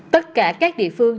tất cả các địa phương